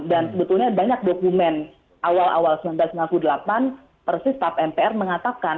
dan sebetulnya banyak dokumen awal awal seribu sembilan ratus sembilan puluh delapan persis tap mpr mengatakan